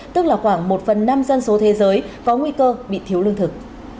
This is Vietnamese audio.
tức là khoảng một phần năm dân số thế giới có nguy cơ bị thiếu lương thực